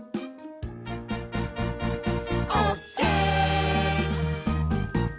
オーケー！